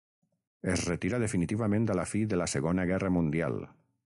Es retirà definitivament a la fi de la Segona Guerra Mundial.